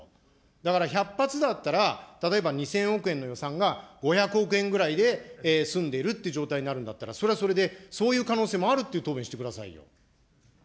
だから１００発だったら、例えば２０００億円の予算が、５００億円ぐらいで済んでいるという状態になるんだったら、それはそれで、そういう可能性もあるっていう答弁をしてくださいよ。